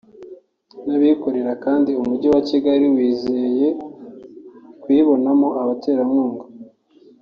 n’abikorera kandi umujyi wa Kigali wizeye kuyibonamo abaterankunga